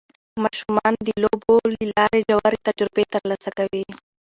ماشومان د لوبو له لارې ژورې تجربې ترلاسه کوي